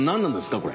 これ。